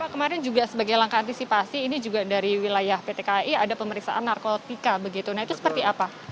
kemarin juga sebagai langkah antisipasi ini juga dari wilayah pt kai ada pemeriksaan narkotika begitu nah itu seperti apa